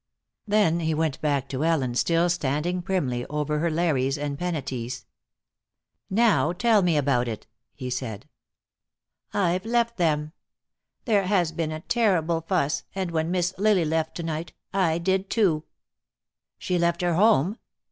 Then he went back to Ellen, still standing primly over her Lares and Penates. "Now tell me about it," he said. "I've left them. There has been a terrible fuss, and when Miss Lily left to night, I did too." "She left her home?"